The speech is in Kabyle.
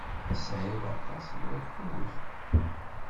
Tesɛiḍ aṭas n wakud?